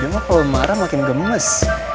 dia mah kalau marah makin gemes